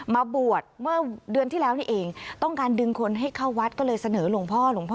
มาบวชเมื่อเดือนที่แล้วนี่เองต้องการดึงคนให้เข้าวัดก็เลยเสนอหลวงพ่อหลวงพ่อ